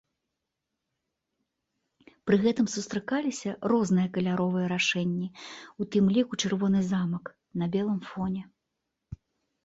Пры гэтым сустракаліся розныя каляровыя рашэнні, у тым ліку чырвоны замак на белым фоне.